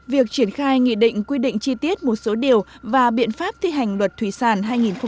việc triển khai nghị định quy định chi tiết một số điều và biện pháp thi hành luật thủy sản hai nghìn một mươi bảy